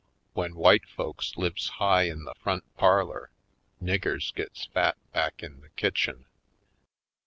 When white folks lives high in the front parlor niggers gets fat back in the kitchen.